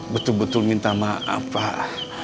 betul betul minta maaf pak